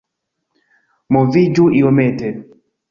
Moviĝu iomete